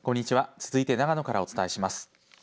続いて長野からお伝えします。